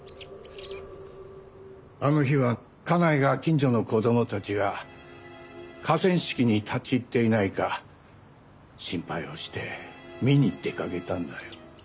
あの日は家内が近所の子供たちが河川敷に立ち入っていないか心配をして見に出かけたんだよ。